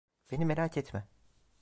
Beni merak etme.